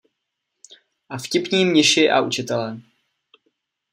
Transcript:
A vtipní mniši a učitelé.